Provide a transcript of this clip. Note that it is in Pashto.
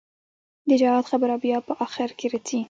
د جهاد خبره بيا په اخر کښې رځي.